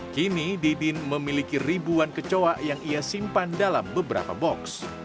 kini didin memiliki ribuan kecoa yang ia simpan dalam beberapa box